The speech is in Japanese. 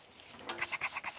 カサカサカサ。